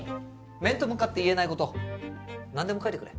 面と向かって言えないこと何でも書いてくれ